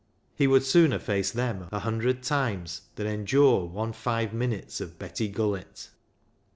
He would sooner face them a hundred times than endure one five minutes of Betty Gullett.